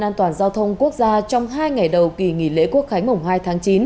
an toàn giao thông quốc gia trong hai ngày đầu kỳ nghỉ lễ quốc khánh mùng hai tháng chín